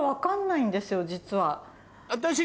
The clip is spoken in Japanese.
実は。